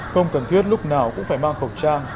không cần thiết lúc nào cũng phải mang khẩu trang